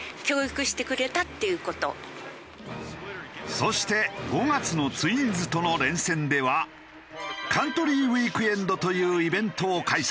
そして５月のツインズとの連戦ではカントリー・ウィークエンドというイベントを開催。